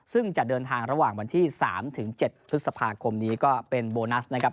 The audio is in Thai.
ซึ่งจะเดินทางระหว่างวันที่๓๗พฤษภาคมนี้ก็เป็นโบนัสนะครับ